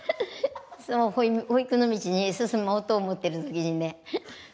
保育の道に進もうと思っている時にね。